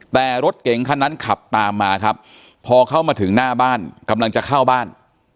แต่รถเก๋งคันนั้นขับตามมาครับพอเข้ามาถึงหน้าบ้านกำลังจะเข้าบ้าน